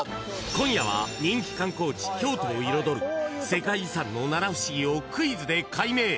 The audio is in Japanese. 今夜は人気観光地・京都を彩る世界遺産の七不思議をクイズで解明。